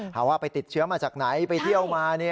ว่าไปติดเชื้อมาจากไหนไปเที่ยวมา